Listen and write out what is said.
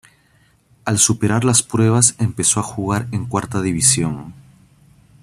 Al superar las pruebas, empezó a jugar en cuarta división.